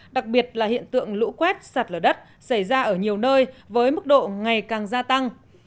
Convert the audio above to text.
đặc biệt là hiện tượng lũ quét sạt lở đất xảy ra ở nhiều nơi với mức độ ngày càng gia tăng